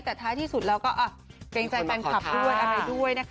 แต่ท้ายที่สุดเราก็เกรงใจแฟนคลับด้วย